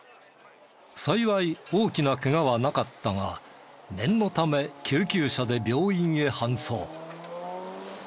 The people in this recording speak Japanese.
幸い大きなケガはなかったが念のため救急車で病院へ搬送。